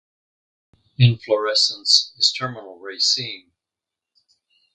Inflorescence is terminal raceme.